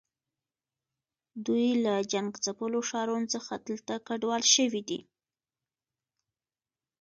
دوی له جنګ ځپلو ښارونو څخه دلته کډوال شوي دي.